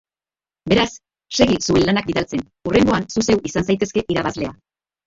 Beraz, segi zuen lanak bidaltzen, hurrengoan zu zeu izan zaitezke irabazlea.